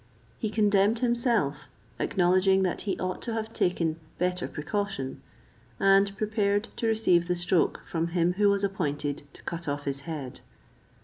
He condemned himself, acknowledging that he ought to have taken better precaution, and prepared to receive the stroke from him who was appointed to cut off his head.